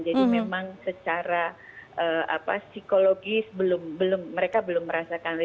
jadi memang secara psikologis mereka belum merasakan